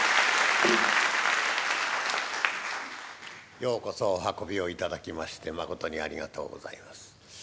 ようこそお運びをいただきましてまことにありがとうございます。